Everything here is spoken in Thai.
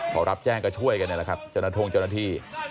เขารับแจ้งก็ช่วยกันเลยครับเจ้าหน้าทรงเจ้าหน้าที่